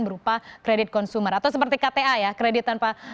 berupa kredit konsumer atau seperti kta ya kredit tanpa